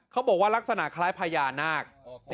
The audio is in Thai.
เขาบอกว่ารักษณะคล้ายพญานาค